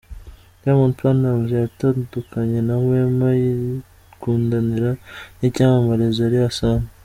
Diamond Platnumz yatandukanye na Wema, yikundanira n'icyamamare Zari Hassan.